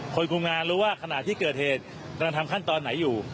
คนคุมงานรู้ว่าขณะที่เกิดเหตุกำลังทำขั้นตอนไหนอยู่